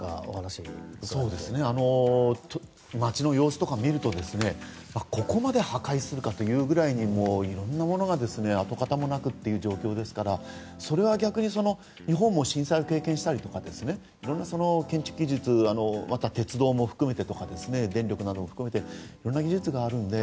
街の様子とか見るとここまで破壊するかというぐらいにいろんなものが跡形もなくという状況ですからそれは逆に日本も震災を経験したりとかいろんな建築技術、鉄道電力なども含めていろんな技術があるので